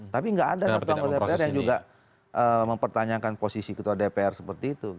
tapi nggak ada satu anggota dpr yang juga mempertanyakan posisi ketua dpr seperti itu